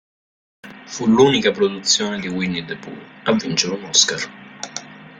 Fu l'unica produzione di Winnie the Pooh a vincere un Oscar.